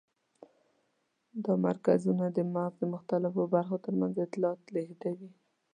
دا مرکزونه د مغز د مختلفو برخو تر منځ اطلاعات لېږدوي.